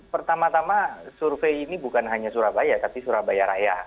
pertama tama survei ini bukan hanya surabaya tapi surabaya raya